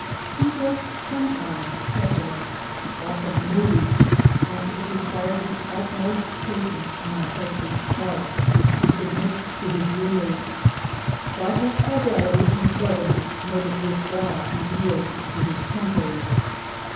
He was sometimes petulant, often moody, and it required the utmost pa tience on my husband's part to submit to his humors; but his fidelity and cleverness made it worth while to yield to his tempers.